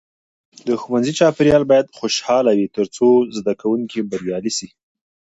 د ښوونځي چاپیریال باید خوشحاله وي ترڅو زده کوونکي بریالي سي.